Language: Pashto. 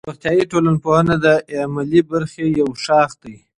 روغتیایی ټولنپوهنه د عملي برخې یو شاخ دی.